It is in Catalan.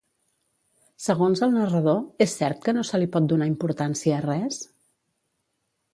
Segons el narrador, és cert que no se li pot donar importància a res?